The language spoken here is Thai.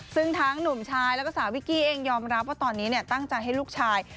ซึ่งทั้งหนุ่มชายแล้วก็สาววิกกี้เองยอมรับว่าตอนนี้ตั้งใจให้ลูกชาย